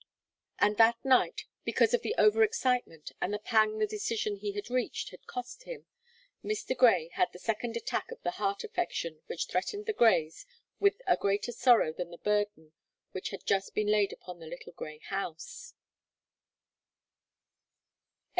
And that night, because of the over excitement and the pang the decision he had reached had cost him, Mr. Grey had the second attack of the heart affection which threatened the Greys with a greater sorrow than the burden which had just been laid upon the little grey house.